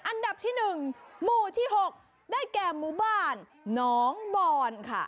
อันดับที่๑หมู่ที่๖ได้แก่หมู่บ้านน้องบอนค่ะ